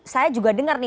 saya juga dengar nih